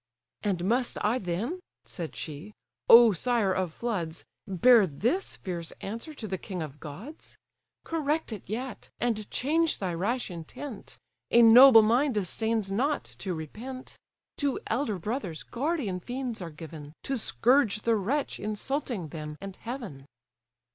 "And must I then (said she), O sire of floods! Bear this fierce answer to the king of gods? Correct it yet, and change thy rash intent; A noble mind disdains not to repent. To elder brothers guardian fiends are given, To scourge the wretch insulting them and heaven."